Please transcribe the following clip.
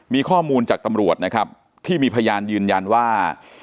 มีข้อมูลจากตำรวจนะครับที่มีพยานยืนยันว่า